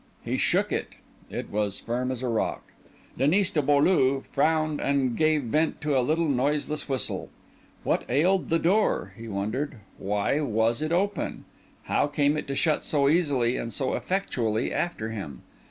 He shook it, it was as firm as a rock. Denis de Beaulieu frowned and gave vent to a little noiseless whistle. What ailed the door? he wondered. Why was it open? How came it to shut so easily and so effectually after him?